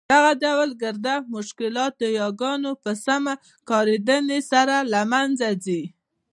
دغه ډول ګرده مشکلات د یاګانو په سمي کارېدني سره له مینځه ځي.